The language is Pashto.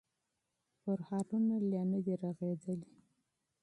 زخمونه لا نه دي رغېدلي.